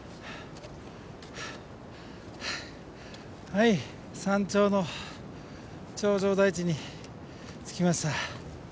はい山頂の頂上台地に着きました。